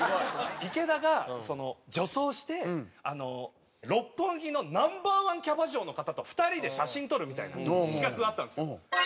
池田が女装して六本木のナンバー１キャバ嬢の方と２人で写真撮るみたいな企画があったんですよ。